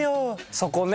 そこね。